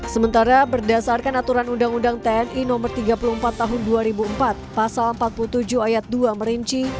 sementara berdasarkan aturan undang undang tni no tiga puluh empat tahun dua ribu empat pasal empat puluh tujuh ayat dua merinci